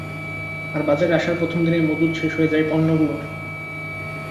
আর বাজারে আসার প্রথম দিনেই মজুত শেষ হয়ে যায় পণ্যগুলোর।